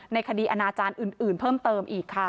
ในคดีอนาจารย์อื่นเพิ่มเติมอีกค่ะ